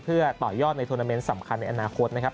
เพื่อต่อยอดในทวนาเมนต์สำคัญในอนาคตนะครับ